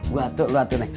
gue atuk lo atuk nek